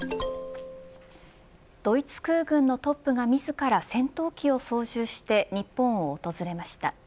ドイツ空軍のトップが自ら戦闘機を操縦して日本を訪れました。